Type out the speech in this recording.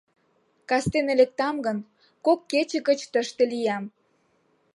Кастене лектам гын, кок кече гыч тыште лиям.